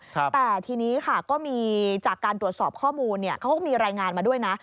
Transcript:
แต่ทีนี้ค่ะก็มีจากการตรวจสอบข้อมูลเนี่ยเขาก็มีรายงานมาด้วยนะ